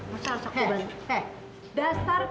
masa harus aku balik